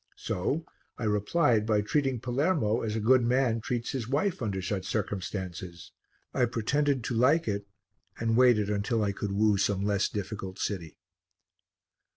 So I replied by treating Palermo as a good man treats his wife under such circumstances I pretended to like it and waited till I could woo some less difficult city.